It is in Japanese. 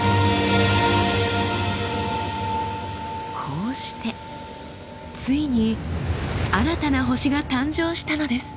こうしてついに新たな星が誕生したのです。